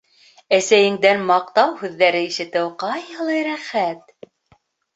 «Әсәйеңдән маҡтау һүҙҙәре ишетеү ҡайһылай рәхәт!»